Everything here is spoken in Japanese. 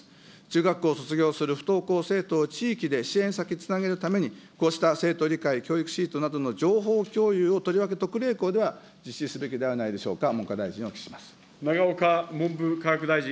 中学校を卒業する不登校生徒を地域の支援先につなげるために、こうした生徒理解・教育シートなどの情報共有を、とりわけ特例校では実施すべきではないでしょうか、文科大臣にお永岡文部科学大臣。